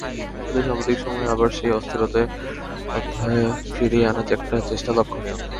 কিন্তু সাম্প্রতিক সময়ে আবার সেই অস্থিরতার অধ্যায় ফিরিয়ে আনার একটা চেষ্টা লক্ষণীয়।